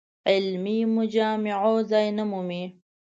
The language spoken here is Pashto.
علمي مجامعو ځای نه مومي.